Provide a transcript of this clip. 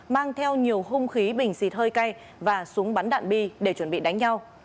mang theo nhiều hung khí bình xịt hơi cay và súng bắn đạn bi để chuẩn bị đánh nhau